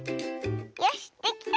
よしできた！